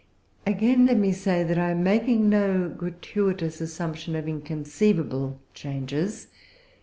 Again, let me say that I am making no gratuitous assumption of inconceivable changes.